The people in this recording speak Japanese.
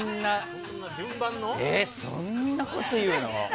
そんなこと言うの？